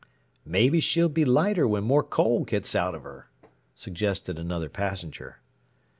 "Maybe she'll be lighter when more coal gets out of her," suggested another passenger.